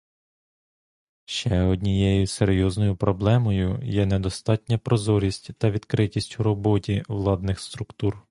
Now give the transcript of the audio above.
Ще однією серйозною проблемою є недостатня прозорість та відкритість у роботі владних структур.